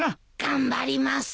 頑張ります。